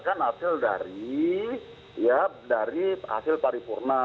tapi dari hasil paripurna